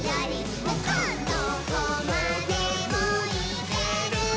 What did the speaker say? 「どこまでもいけるぞ！」